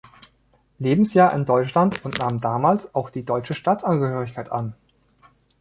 Lebensjahr in Deutschland und nahm damals auch die deutsche Staatsangehörigkeit an.